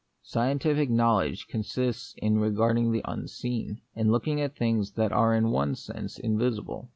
Scientific know ledge consists in regarding the unseen ; in looking at things which are in one sense in visible.